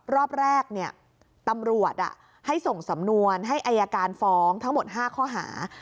รอบแรกตำรวจให้ส่งสำนวนให้อายการฟ้องทั้งหมด๕ข้อหา